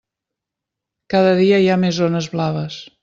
Cada dia hi ha més zones blaves.